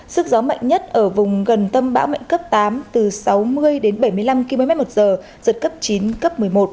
sức gió mạnh nhất ở vùng gần tâm bão mạnh cấp tám từ sáu mươi đến bảy mươi năm kmh giật cấp chín cấp một mươi một